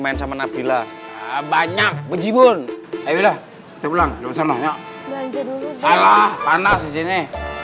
main sama nabila banyak bunyi bun ayo lah pulang lho sernawnya panas di sini